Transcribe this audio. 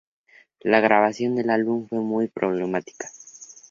La grabación del álbum fue muy problemática.